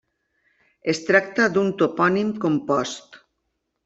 Es tracta d'un topònim compost.